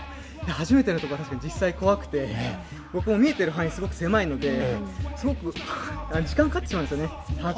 初めてのところは確かに実際、怖くて僕も見えてる範囲すごく狭いので、把握するのに、すごく時間がかかってしまうんですよね。